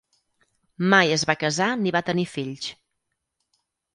Mai es va casar ni va tenir fills.